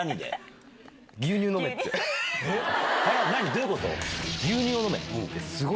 どういうこと？